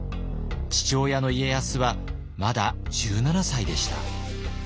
父親の家康はまだ１７歳でした。